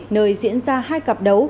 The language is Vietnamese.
nơi diễn ra hai cặp đấu